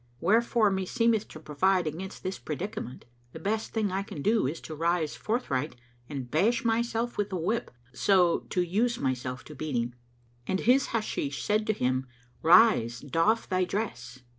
Wherefore, meseemeth to provide against this predicament, the best thing I can do, is to rise forthright and bash myself with the whip, so to use myself to beating." And his Hashish [FN#209] said to him, "Rise, doff thy dress."